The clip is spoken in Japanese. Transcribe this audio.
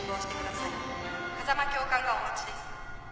風間教官がお待ちです。